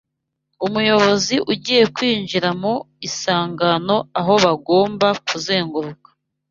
Umuyobozi ugiye kwinjira mu isangano aho bagomba kuzenguruka